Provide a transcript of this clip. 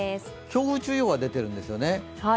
強風注意報が出ているんですね。